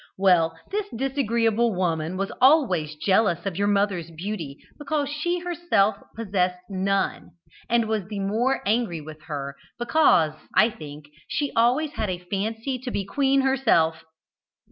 Well, this disagreeable woman was always jealous of your mother's beauty, because she herself possessed none, and was the more angry with her because, I think, she always had a fancy to be queen herself.